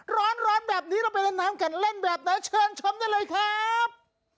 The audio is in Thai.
ร้อนแบบนี้เราไปเล่นน้ำกันเล่นแบบไหนเชิญชมได้เลยครับ